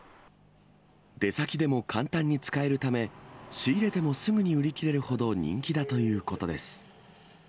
出先でも簡単に使えるため、仕入れてもすぐに売り切れるほど人気だということです。